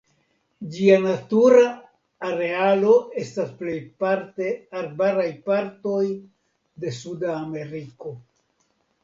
Ĝia natura arealo estas plejparte arbaraj partoj de Suda Ameriko.